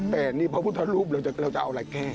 แต่นี่พระพุทธรูปเราจะเอาอะไรแก้